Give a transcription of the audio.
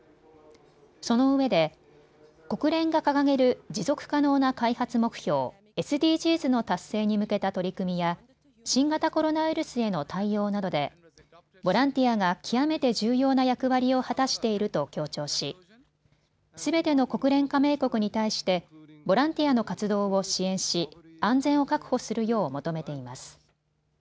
そのうえで国連が掲げる持続可能な開発目標、ＳＤＧｓの達成に向けた取り組みや新型コロナウイルスへの対応などでボランティアが極めて重要な役割を果たしていると強調しすべての国連加盟国に対してボランティアの活動を支援し安全を確保するよう求めています。